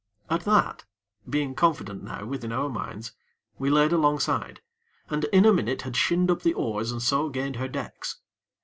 At that, being confident now within our minds, we laid alongside, and, in a minute had shinned up the oars and so gained her decks.